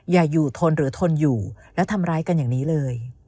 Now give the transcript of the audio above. อย่าอยู่ทนหรือทนอยู่แล้วทำร้ายกันอย่างนี้เลย